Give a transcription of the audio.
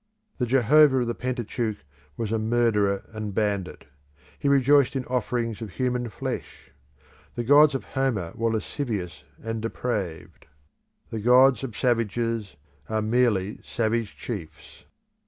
The Jehovah of the Pentateuch was a murderer and bandit; he rejoiced in offerings of human flesh The gods of Homer were lascivious and depraved. The gods of savages are merely savage chiefs.